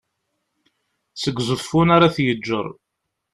seg uẓeffun ar at yeğğer